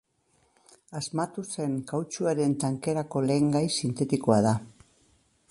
Asmatu zen kautxuaren tankerako lehen gai sintetikoa da.